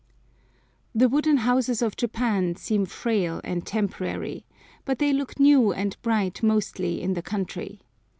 The wooden houses of Japan seem frail and temporary, but they look new and bright mostly in the country.